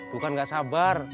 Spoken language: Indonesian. bukan enggak sabar